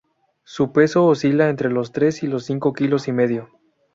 Su peso oscila entre los tres y los cinco kilos y medio.